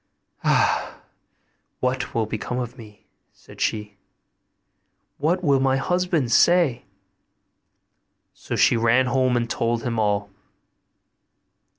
'Ah! what will become of me?' said she; 'what will my husband say?' So she ran home and told him all.